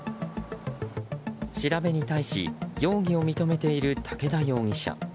調べに対し容疑を認めている武田容疑者。